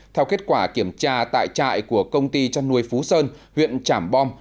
theo kết quả kiểm tra tại trại của công ty trăn nuôi phú sơn huyện trảm bom